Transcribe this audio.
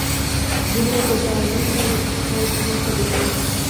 دنیا کو بازیچہ اطفال سمجھ کر دیکھا